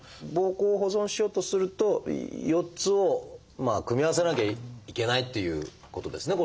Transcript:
膀胱を保存しようとすると４つを組み合わせなきゃいけないっていうことですね